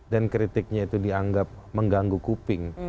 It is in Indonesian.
dan kritiknya itu dianggap mengganggu kuping